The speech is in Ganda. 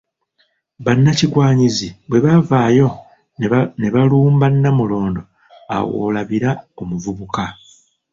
Bannakigwanyizi bwebavaayo nebalumba Namulondo awo woolabira omuvubuka.